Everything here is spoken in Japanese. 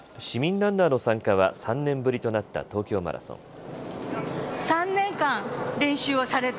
市民ランナーの参加は３年ぶりとなった東京マラソン。